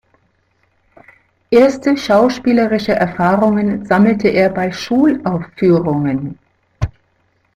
Erste schauspielerische Erfahrungen sammelte er bei Schulaufführungen.